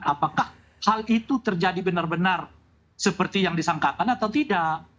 apakah hal itu terjadi benar benar seperti yang disangkakan atau tidak